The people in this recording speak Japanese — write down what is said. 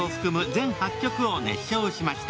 全８曲を熱唱しました